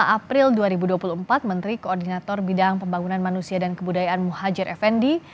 dua april dua ribu dua puluh empat menteri koordinator bidang pembangunan manusia dan kebudayaan muhajir effendi